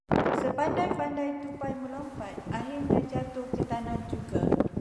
Sepandai-pandai tupai melompat, akhirnya jatuh ke tanah juga.